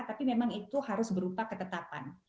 tapi memang itu harus berupa ketetapan